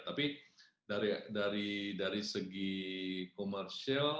tapi dari segi komersial